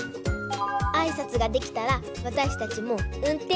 あいさつができたらわたしたちもうんてんしゅ